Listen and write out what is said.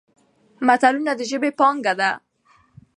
متلونه د ژبې پانګه ده.